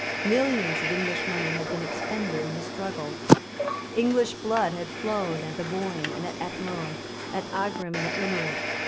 Millions of English money had been expended in the struggle. English blood had flowed at the Boyne and at Athlone, at Aghrim and at Limerick.